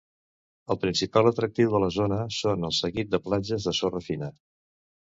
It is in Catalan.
El principal atractiu de la zona són el seguit de platges de sorra fina.